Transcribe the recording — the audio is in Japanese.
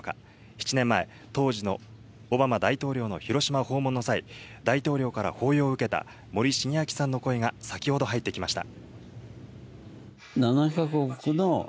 ７年前、当時のオバマ大統領の広島訪問の際、大統領から抱擁を受けた、森重昭さんの声が先ほど入ってきました。